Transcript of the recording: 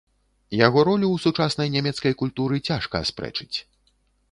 Яго ролю ў сучаснай нямецкай культуры цяжка аспрэчыць.